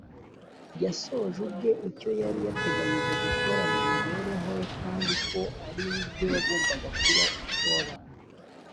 Yasohoje ubwe icyo Yari yateganije gukora mu mibereho Ye kandi ko ari We ubwe wagombaga kuba umucyo w’abantu